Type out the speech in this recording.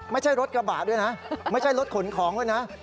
ไม่ใช่รถกระบะด้วยนะไม่ใช่รถขนของด้วยนะ